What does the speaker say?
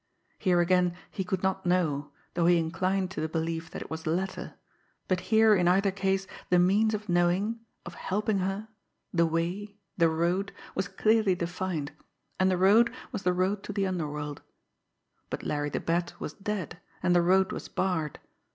Here again he could not know, though he inclined to the belief that it was the latter; but here, in either case, the means of knowing, of helping her, the way, the road, was clearly defined and the road was the road to the underworld. But Larry the Bat was dead and the road was barred.